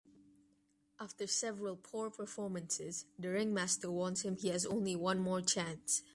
After several poor performances, the ringmaster warns him he has only one more chance.